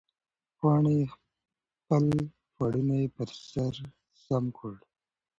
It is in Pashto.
پاڼې خپل پړونی پر سر سم کړ.